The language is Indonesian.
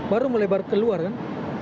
baru baru keluar kan